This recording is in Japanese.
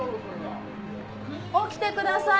起きてください。